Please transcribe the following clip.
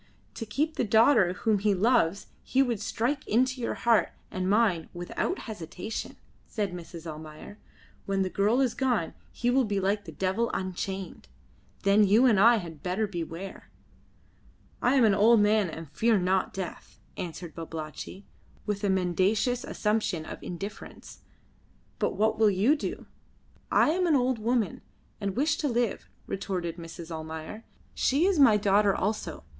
"To keep the daughter whom he loves he would strike into your heart and mine without hesitation," said Mrs. Almayer. "When the girl is gone he will be like the devil unchained. Then you and I had better beware." "I am an old man and fear not death," answered Babalatchi, with a mendacious assumption of indifference. "But what will you do?" "I am an old woman, and wish to live," retorted Mrs. Almayer. "She is my daughter also.